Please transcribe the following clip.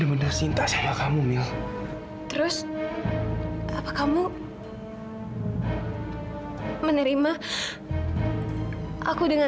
oh ya iya saya juga suka kamu weng